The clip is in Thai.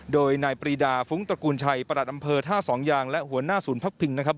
โดยนายปรีดาฟุ้งตระกูลชัยประหลัดอำเภอท่าสองยางและหัวหน้าศูนย์พักพิงนะครับ